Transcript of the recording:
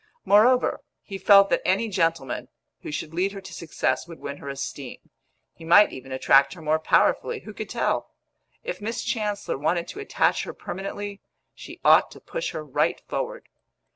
Moreover, he felt that any gentleman who should lead her to success would win her esteem; he might even attract her more powerfully who could tell? If Miss Chancellor wanted to attach her permanently, she ought to push her right forward.